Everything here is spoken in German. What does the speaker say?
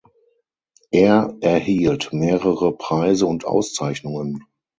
Er erhielt mehrere Preise und Auszeichnungen.